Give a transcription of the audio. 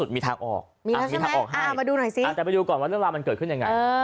มาดูหน่อยซิแต่มาดูก่อนว่าเรื่องราวมันเกิดขึ้นยังไง